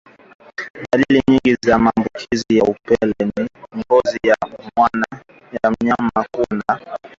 Dalili nyingine ya maambukizi ya upele ni ngozi ya mnyama kuwa na makunyanzi